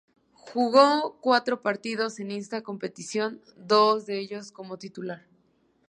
Jugó cuatro partidos en esta competición, dos de ellos como titular.